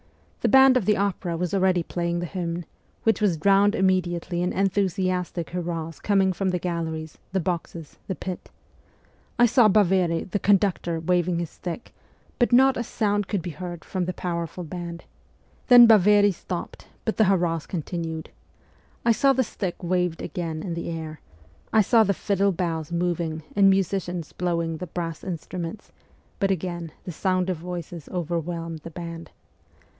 The band of the opera was already playing the hymn, which was drowned immediately in enthusiastic hurrahs coming from the galleries, the boxes, the pit. I saw Baveri, the conduc tor, waving his stick, but not a sound could be heard from the powerful band. Then Baveri stopped, but the hurrahs continued. I saw the stick waved again in the air ; I saw the fiddle bows moving and musicians blowing the brass instruments, but again the sound of voices overwhelmed the band.